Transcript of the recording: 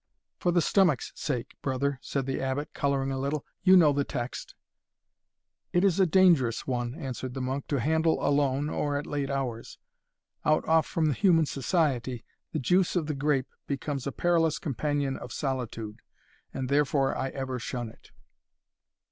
"For the stomach's sake, brother," said the Abbot, colouring a little "You know the text." "It is a dangerous one," answered the monk, "to handle alone, or at late hours. Out off from human society, the juice of the grape becomes a perilous companion of solitude, and therefore I ever shun it."